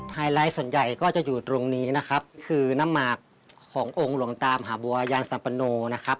ไฮไลท์ส่วนใหญ่ก็จะอยู่ตรงนี้นะครับคือน้ำหมากขององค์หลวงตามหาบัวยานสัปโนนะครับ